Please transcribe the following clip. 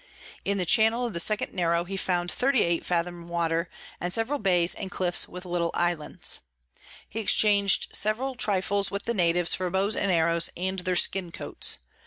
In the Channel of the second Narrow he found 38 Fathom Water, and several Bays and Cliffs with little Islands. He exchang'd several Trifles with the Natives for Bows and Arrows, and their Skin Coats.